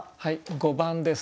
５番です。